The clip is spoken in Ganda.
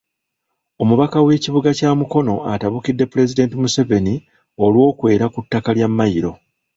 Omubaka w’ekibuga kya Mukono atabukidde Pulezidenti Museveni olw’okwera ku ttaka lya Mayiro.